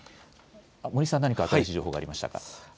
森さん、何か新しい情報がありましたか。